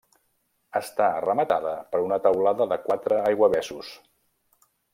Està rematada per una teulada de quatre aiguavessos.